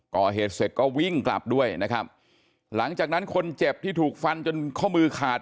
ก่อเหตุเสร็จก็วิ่งกลับด้วยนะครับหลังจากนั้นคนเจ็บที่ถูกฟันจนข้อมือขาด